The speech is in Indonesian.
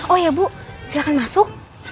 oh iya bu silahkan masuk